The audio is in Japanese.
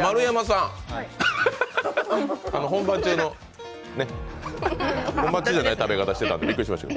丸山さん、本番中じゃない食べ方をしていたのでびっくりしました。